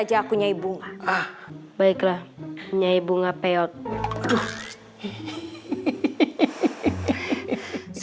ketapi waktu itu aku tiklor dari itunes